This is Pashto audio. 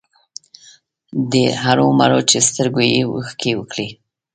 ډېر هومره چې سترګو يې اوښکې وکړې،